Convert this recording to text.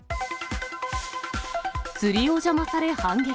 釣りを邪魔され反撃。